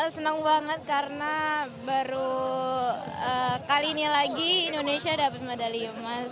senang banget karena baru kali ini lagi indonesia dapat medali emas